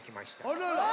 あらら。